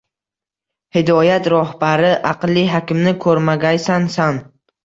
Hidoyat rohbari aqli hakimni koʻrmagaysan, san